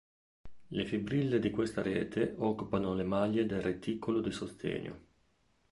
Le fibrille di questa rete occupano le maglie del reticolo di sostegno.